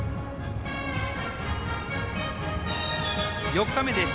４日目です。